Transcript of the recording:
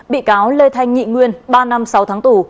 bị cáo lê thanh nghị nguyên ba năm sáu tháng tù